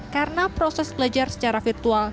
karena proses belajar secara virtual